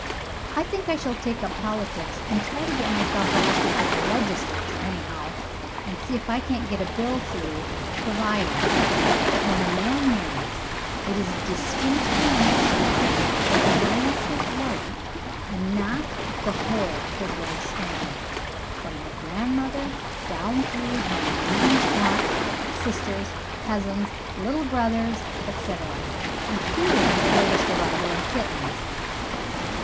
I think I shall take up politics and try to get myself elected to the legislature, anyhow, and see if I can't get a bill through providing that when a man marries it is distinctly understood that he marries his wife and not the whole of his wife's family, from her grandmother down through her maiden aunts, sisters, cousins, little brothers, et al., including the latest arrivals in kittens.